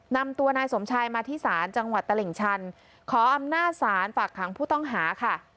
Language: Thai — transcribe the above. นำตัวนายสมชายมาที่ศาลจังหวัดตลิ่งชันขออำนาจศาลฝากขังผู้ต้องหาค่ะ